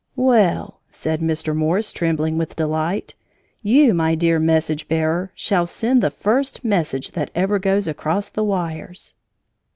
"Well," said Mr. Morse, trembling with delight, "you, my dear message bearer, shall send the first message that ever goes across the wires."